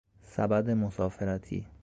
سبد مسافرتی